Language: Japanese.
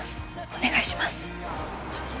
お願いします